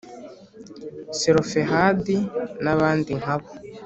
Selofehadi n abandi nka bo